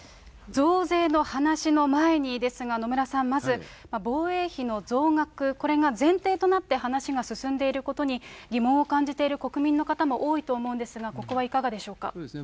増税の話の前にですが、野村さん、まず、防衛費の増額、これが前提となって話が進んでいることに、疑問を感じている国民の方も多いと思うんですが、ここはいかがでそうですね。